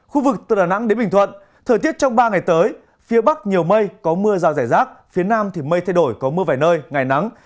khu vực từ đà nẵng đến bình thuận thời tiết trong ba ngày tới phía bắc nhiều mây có mưa rào rải rác phía nam thì mây thay đổi có mưa vài nơi ngày nắng